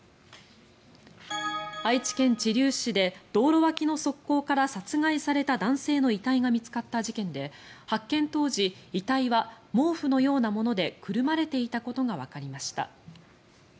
愛知県知立市で道路脇の側溝から殺害された男性の遺体が見つかった事件で、発見当時遺体は毛布のようなものでくるまれていたことがわかりました。